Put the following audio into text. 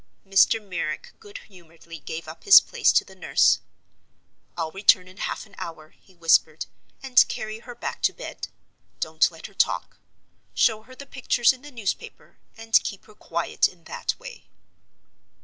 Mr. Merrick good humoredly gave up his place to the nurse. "I'll return in half an hour," he whispered, "and carry her back to bed. Don't let her talk. Show her the pictures in the newspaper, and keep her quiet in that way."